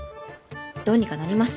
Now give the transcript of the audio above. どうにかなります。